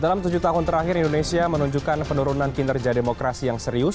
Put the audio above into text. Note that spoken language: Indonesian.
dalam tujuh tahun terakhir indonesia menunjukkan penurunan kinerja demokrasi yang serius